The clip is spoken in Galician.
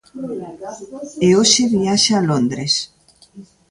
E hoxe viaxa a Londres.